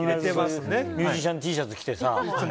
ミュージシャンＴシャツ着てさ。